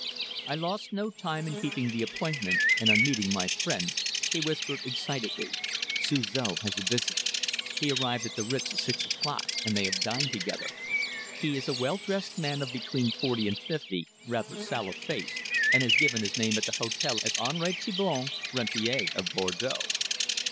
I lost no time in keeping the appointment, and on meeting my friend, he whispered excitedly: "Suzor has a visitor. He arrived at the Ritz at six o'clock, and they have dined together. He is a well dressed man of between forty and fifty, rather sallow faced, and has given his name at the hotel as Henri Thibon, rentier, of Bordeaux."